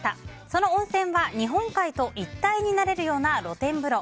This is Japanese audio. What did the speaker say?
その温泉は日本海と一体になれるような露天風呂。